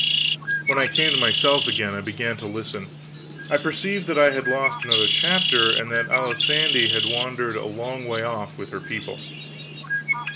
When I came to myself again and began to listen, I perceived that I had lost another chapter, and that Alisande had wandered a long way off with her people.